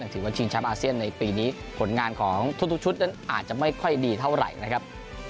ถือว่าชิงแชมป์อาเซียนในปีนี้ผลงานของทุกชุดนั้นอาจจะไม่ค่อยดีเท่าไหร่นะครับ